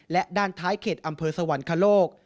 และด้านท้ายเขตอำเภอสวรรคโลก